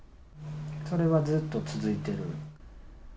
それはずっと続いてる？